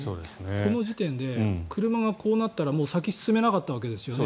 この時点で車がこうなったら先に進めなかったわけですよね。